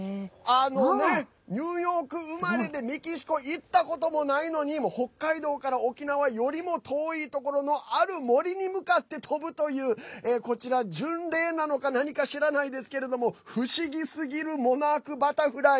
ニューヨーク生まれでメキシコ行ったこともないのに北海道から沖縄よりも遠いところの、ある森に向かって飛ぶという巡礼なのか何か知らないですけども不思議すぎるモナークバタフライ。